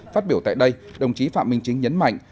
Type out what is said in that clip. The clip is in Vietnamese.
phát biểu tại đây đồng chí phạm minh chính nhấn mạnh